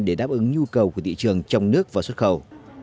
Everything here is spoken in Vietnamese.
để đáp ứng nhu cầu của thị trường trong nước và xuất khẩu